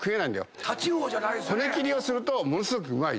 骨切りするとものすごくうまい。